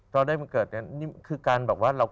เค้าได้มันเกิดนั้นคือการบอกว่า